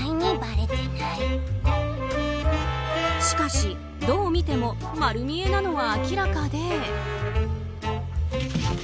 しかし、どう見ても丸見えなのは明らかで。